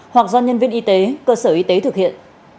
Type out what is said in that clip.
hoặc do nhân viên y tế cơ sở y tế thực hiện